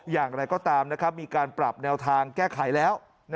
อย่างไรก็ตามมีการปรับแนวทางแก้ไขแล้ว